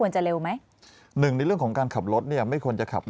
ใช่ครับ